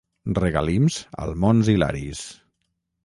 Regalims al Mons Hilaris.